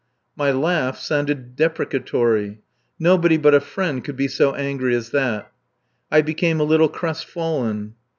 My laugh sounded deprecatory. Nobody but a friend could be so angry as that. I became a little crestfallen.